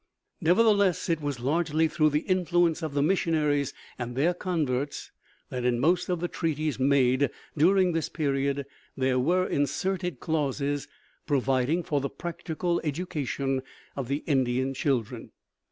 Nevertheless it was largely through the influence of the missionaries and their converts that in most of the treaties made during this period there were inserted clauses providing for the practical education of the Indian children.